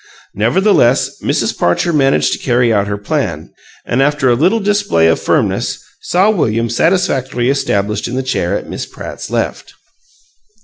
Nevertheless, Mrs. Parcher managed to carry out her plan, and after a little display of firmness, saw William satisfactorily established in the chair at Miss Pratt's left.